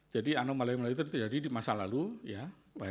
jadi anomali anomali itu terjadi di masa lalu ya